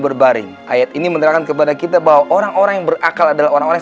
berbaring ayat ini menerangkan kepada kita bahwa orang orang yang berakal adalah orang orang